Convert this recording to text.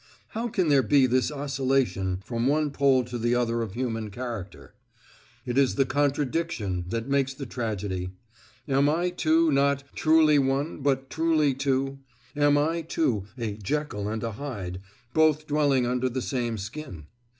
How can there be this oscillation from one pole to the other of human character? It is the contradiction that makes the tragedy. Am I, too, not "truly one but truly two"; am I, too, a Jekyll and a Hyde, both dwelling under the same skin?